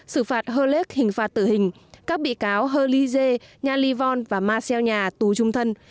xử phạt hơ lách hình phạt tử hình các bị cáo hơ ly dê nha ly von và marcel nhà tù chung thân